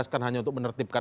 kalau kita terbuka